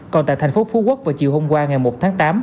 còn tại thành phố phú quốc vào chiều hôm qua ngày một tháng tám